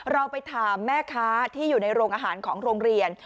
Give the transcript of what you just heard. เราไปถามแม่ค้าที่อยู่ในโรงอาหารของโรงเรียน